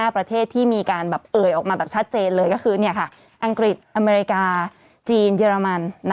ประเทศที่มีการเอ่ยออกมาแบบชัดเจนเลยก็คืออังกฤษอเมริกาจีนเยอรมัน